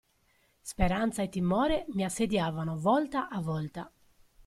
Speranza e timore mi assediavano volta a volta.